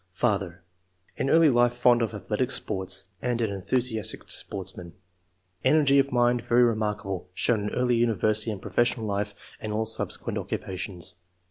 ]Father — In early life fond of athletic sports, and an enthusiastic sportsman. Energy of mind very remarkable, shown in early university and professional life and all subsequent occupations.